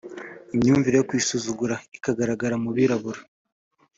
Imyumvire yo kwisuzugura ikigaragara mu Birabura